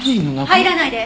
入らないで！